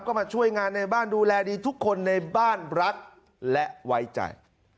ก็มาช่วยงานในบ้านดูแลดีทุกคนในบ้านรักและไว้ใจ